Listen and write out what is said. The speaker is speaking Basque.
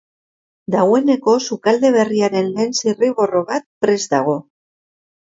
Dagoeneko sukalde berriaren lehen zirriborro bat prest dago.